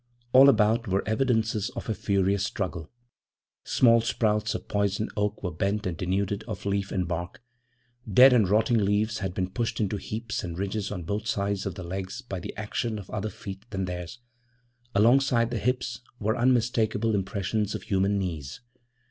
All about were evidences of a furious struggle; small sprouts of poison oak were bent and denuded of leaf and bark; dead and rotting leaves had been pushed into heaps and ridges on both sides of the legs by the action of other feet than theirs; alongside the hips were unmistakable impressions of human knees.